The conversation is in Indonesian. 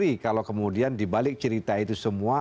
tapi kalau kemudian dibalik cerita itu semua